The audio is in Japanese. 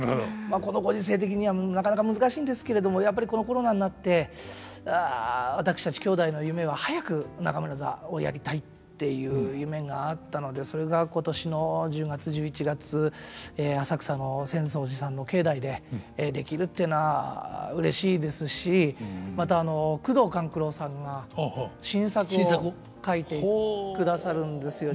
このご時世的にはなかなか難しいんですけれどもやっぱりこのコロナになって私たち兄弟の夢は「早く中村座をやりたい」っていう夢があったのでそれが今年の１０月１１月浅草の浅草寺さんの境内でできるっていうのはうれしいですしまた宮藤官九郎さんが新作を書いてくださるんですよ。